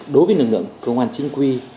đối với lực lượng công an chính quy